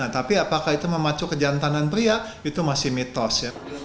tapi apakah itu memacu kejantanan pria itu masih mitos ya